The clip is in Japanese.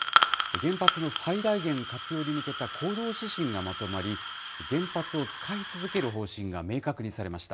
原発の最大限活用に向けた行動指針がまとまり、原発を使い続ける方針が明確にされました。